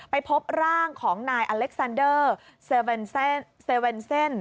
พบร่างของนายอเล็กซันเดอร์เซเวนเซ่น